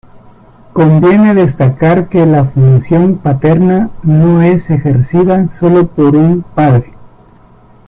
Conviene destacar que la función paterna no es ejercida solo por un padre.